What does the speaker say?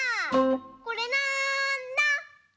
これなんだ？